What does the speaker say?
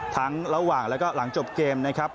ระหว่างแล้วก็หลังจบเกมนะครับ